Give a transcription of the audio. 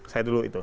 saya dulu itu